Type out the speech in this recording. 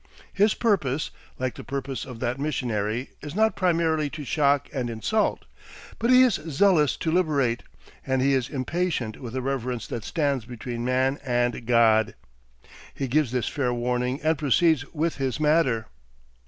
His purpose, like the purpose of that missionary, is not primarily to shock and insult; but he is zealous to liberate, and he is impatient with a reverence that stands between man and God. He gives this fair warning and proceeds with his matter.